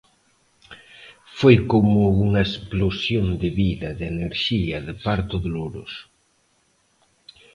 Foi como unha explosión de vida, de enerxía, de parto doloroso.